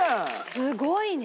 すごいね。